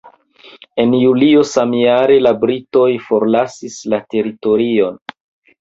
En julio samjare, la britoj forlasis la teritorion.